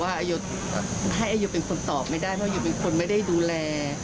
ให้อายโยเป็นคนตอบไม่ได้เพราะอายโยเป็นคนไม่ได้ดูแล